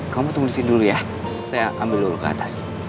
kamu tunggu bersih dulu ya saya ambil dulu ke atas